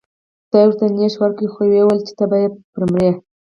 خدای ورته نیش ورکړ خو و یې ویل چې ته به پرې مرې.